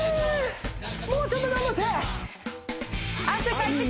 もうちょっと頑張って！